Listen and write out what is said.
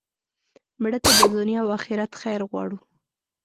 مړه ته د دنیا او آخرت خیر غواړو